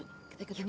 yuk cepetan cepetan